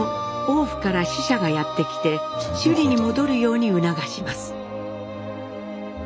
王府から使者がやって来て首里に戻るように促します。